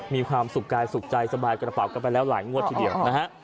มีความสุขกายสุขใจสบายกระเป๋ากันไปแล้วหลายงวดทีเดียวนะฮะ